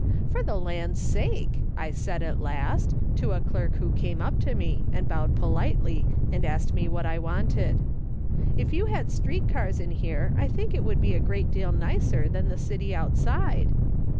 ' For the land's sake !' I said at last, to a clerk who came up to me and bowed politely and asked me what I wanted. ' If you had street cars in here I think it would be a great deal nicer than the city outside.'